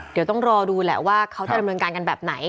เดี๋ยวต้องรอดูแหละว่าเขาจะดำเนินการกันแบบไหน